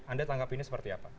anda tanggap ini seperti apa